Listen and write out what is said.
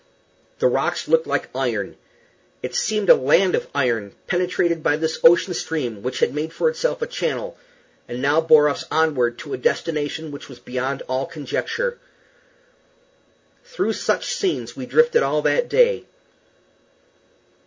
The rocks looked like iron. It seemed a land of iron penetrated by this ocean stream which had made for itself a channel, and now bore us onward to a destination which was beyond all conjecture. Through such scenes we drifted all that day.